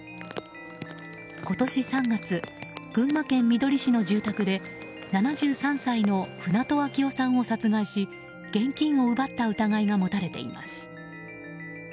今年３月群馬県みどり市の住宅で７３歳の船戸秋雄さんを殺害し現金を奪った疑いが持たれています。